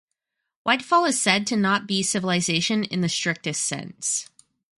Whitefall is said to not be civilization in the strictest sense.